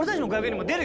出る。